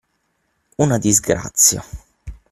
una disgrazia.